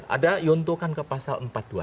ada yontokan ke pasal empat ratus dua puluh satu